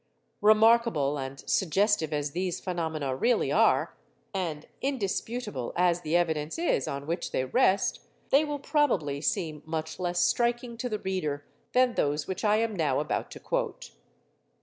Remarkable and suggestive as these phenomena really are, and indisputable as the evidence is on which they rest, they will probably seem much less striking to the reader than those which I am now about to quote.